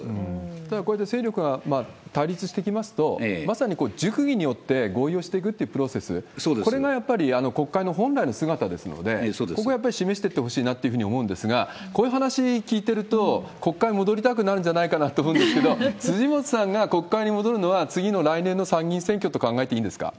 ただ、これで勢力が対立してきますと、まさに熟議によって合意をしていくというプロセス、これがやっぱり国会の本来の姿ですので、ここはやっぱり示していってほしいなと思うんですが、こういう話聞いてると、国会に戻りたくなるんじゃないかと思うんですけど、辻元さんが国会に戻るのは、次の来年の参議院選挙と考えていいんですか？